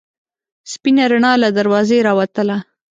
سپینه رڼا له دروازې راوتله.